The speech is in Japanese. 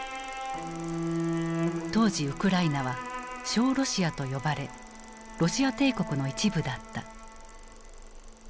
当時ウクライナは「小ロシア」と呼ばれロシア帝国の一部だった。